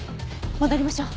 戻りましょう。